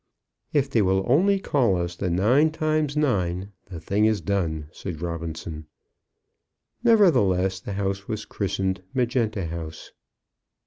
"If they will only call us 'The nine times nine,' the thing is done," said Robinson. Nevertheless, the house was christened Magenta House.